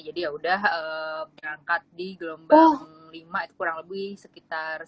jadi yaudah berangkat di gelombang lima itu kurang lebih sekitar